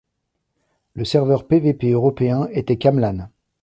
Le serveur PvP européen était Camlann.